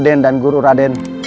untuk suruh raden